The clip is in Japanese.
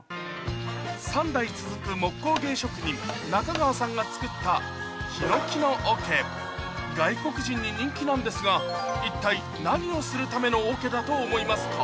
３代続く木工芸職人中川さんが作った外国人に人気なんですが一体何をするための桶だと思いますか？